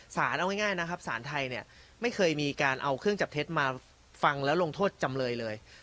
เอาง่ายนะครับสารไทยเนี่ยไม่เคยมีการเอาเครื่องจับเท็จมาฟังแล้วลงโทษจำเลยเลย